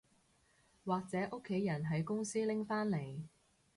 或者屋企人喺公司拎返嚟